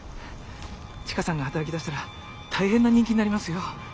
千佳さんが働きだしたら大変な人気になりますよ。